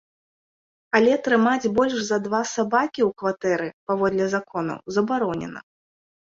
Але трымаць больш за два сабакі ў кватэры, паводле законаў, забаронена.